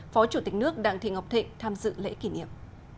phó chủ tịch nước đặng thị ngọc thịnh tham dự lễ kỷ niệm